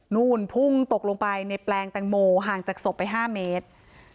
นู่นพุ่งตกลงไปในแปลงแตงโมห่างจากศพไป๕เมตร